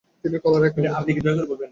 তিনি কলেরায় আক্রান্ত হন।